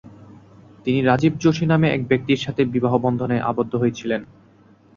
তিনি রাজীব জোশী নামে এক ব্যক্তির সাথে বিবাহ বন্ধনে আবদ্ধ হয়েছিলেন।